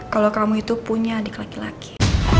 kalau kamu itu punya adik laki laki